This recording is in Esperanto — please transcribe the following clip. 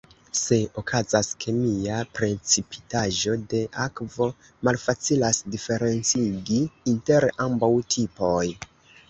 Se okazas kemia precipitaĵo de akvo malfacilas diferencigi inter ambaŭ tipoj.